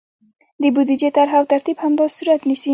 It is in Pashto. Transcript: د بودیجې طرحه او ترتیب همداسې صورت نیسي.